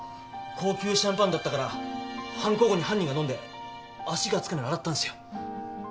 高級シャンパンだったから犯行後に犯人が飲んで足がつかないよう洗ったんすよ。